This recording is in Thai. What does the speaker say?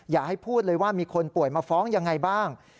อย่าให้พูดเลยว่ามีคนป่วยมาฟ้องยังไงบ้าง